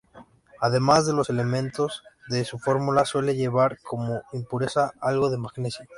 Además de los elementos de su fórmula, suele llevar como impureza algo de magnesio.